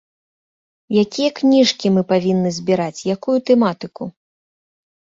Якія кніжкі мы павінны збіраць, якую тэматыку?